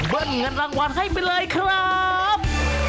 เงินรางวัลให้ไปเลยครับ